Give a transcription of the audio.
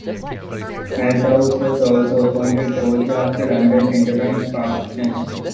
Malthouse was also appointed co-chair of the London Enterprise Partnership.